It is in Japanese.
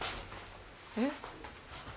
えっ？